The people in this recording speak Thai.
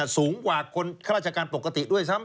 สูงกว่าคนข้าราชการปกติด้วยซ้ำ